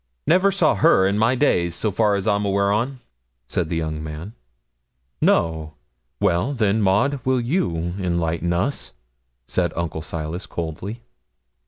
'Never saw her in my days, so far as I'm aweer on,' said the young man. 'No! Well, then, Maud, will you enlighten us?' said Uncle Silas, coldly.